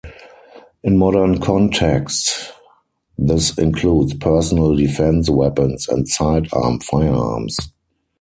In modern contexts, this includes personal defense weapons and side arm firearms.